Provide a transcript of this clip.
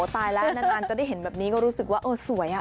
ตายแล้วนานจะได้เห็นแบบนี้ก็รู้สึกว่าเออสวย